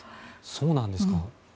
そうなんですか？